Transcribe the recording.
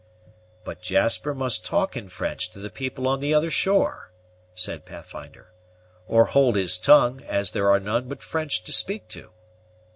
"But Jasper must talk in French to the people on the other shore," said Pathfinder, "or hold his tongue, as there are none but French to speak to."